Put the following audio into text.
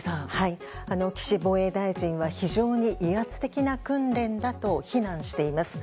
岸防衛大臣は非常に威圧的な訓練だと非難しています。